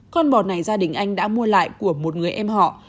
con bò này gia đình anh đã mua lại của một người em họ